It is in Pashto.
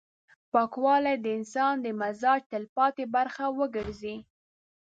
پاکوالی د انسان د مزاج تلپاتې برخه وګرځي.